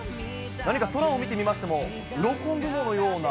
何か空を見てみましても、うろこ雲のような。